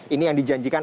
ini yang dijanjikan